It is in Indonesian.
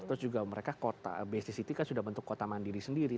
terus juga mereka kota bsd city kan sudah bentuk kota mandiri sendiri